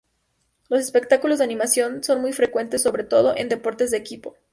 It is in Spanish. Los espectáculos de animación son muy frecuentes, sobre todo, en deportes de equipo.